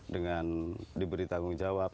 dengan diberi tanggung jawab